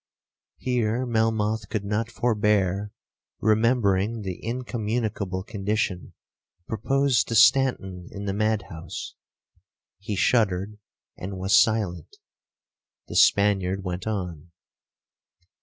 Here Melmoth could not forbear remembering the incommunicable condition proposed to Stanton in the mad house,—he shuddered, and was silent. The Spaniard went on.